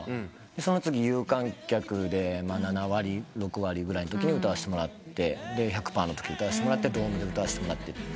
その次有観客で７割６割ぐらいのとき歌わせてもらってで１００％のとき歌わせてもらってドームで歌わせてもらって。